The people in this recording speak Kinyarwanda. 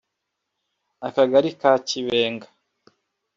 Akagari ka Kibenga